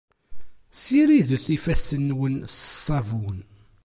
Ssiridet ifassen-nwen s ṣṣabun.